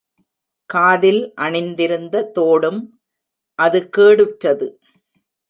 காதில் அணிந்திருந்த தோடும் அது கேடுற்றது.